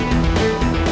udah gak sakit lagi kan